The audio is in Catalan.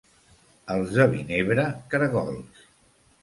Els de Vinebre, caragols.